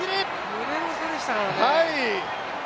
胸の差でしたからね。